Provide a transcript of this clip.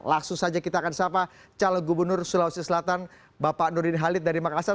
langsung saja kita akan sapa calon gubernur sulawesi selatan bapak nurdin halid dari makassar